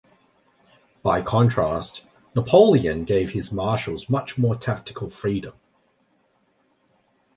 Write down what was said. By contrast, Napoleon gave his marshals much more tactical freedom.